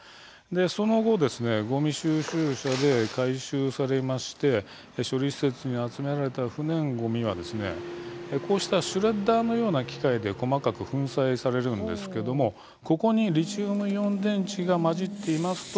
その後、ごみ収集車で回収されて処理施設に集められた不燃ごみはこうしたシュレッダーのような機械で細かく粉砕されるんですがここにリチウムイオン電池が混じっていますと。